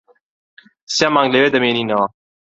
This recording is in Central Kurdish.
سێ مانگ لەوێ دەمێنینەوە.